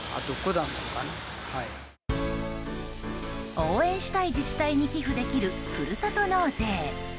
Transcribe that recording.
応援したい自治体に寄付できるふるさと納税。